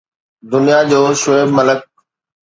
دنيا جو شعيب ملڪ